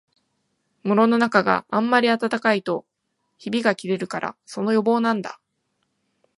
室のなかがあんまり暖かいとひびがきれるから、その予防なんだ